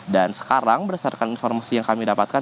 dan sekarang berdasarkan informasi yang kami dapatkan